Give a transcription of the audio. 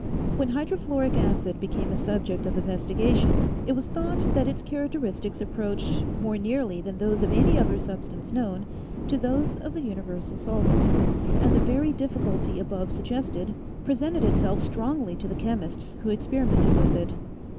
When hydrofluoric acid became a subject of investigation it was thought that its characteristics approached, more nearly than those of any other substance known, to those of the universal solvent, and the very difficulty above sug gested, presented itself strongly to the chemists who ex perimented with it.